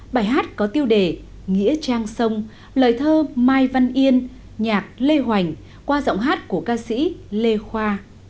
bài hát có tiêu đề nghĩa trang sông lời thơ mai văn yên nhạc lê hoành qua giọng hát của ca sĩ lê khoa